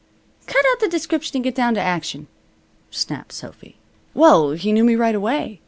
"Cut out the description and get down to action," snapped Sophy. "Well, he knew me right away.